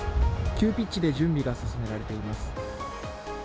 急ピッチで準備が進められています。